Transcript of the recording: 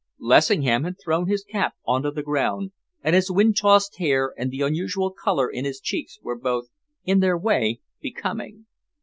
Lessingham had thrown his cap onto the ground, and his wind tossed hair and the unusual colour in his cheeks were both, in their way, becoming.